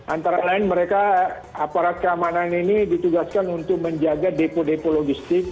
antara lain mereka aparat keamanan ini ditugaskan untuk menjaga depo depo logistik